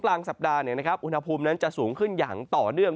กลางสัปดาห์อุณหภูมินั้นจะสูงขึ้นอย่างต่อเนื่อง